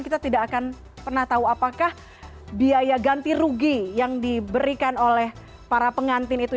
kita tidak akan pernah tahu apakah biaya ganti rugi yang diberikan oleh para pengantin itu